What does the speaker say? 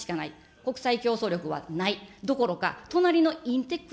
国際競争力はないどころか、隣のインテックス